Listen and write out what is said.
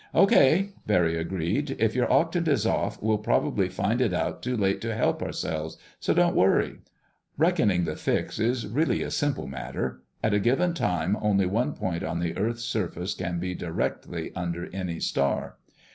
"Okay!" Barry agreed. "If your octant is off, we'll probably find it out too late to help ourselves. So don't worry." Reckoning the fix is really a simple matter. At a given time only one point on the earth's surface can be directly under any star.